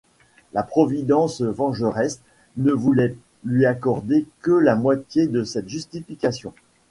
La Providence vengeresse ne voulait lui accorder que la moitié de cette justification.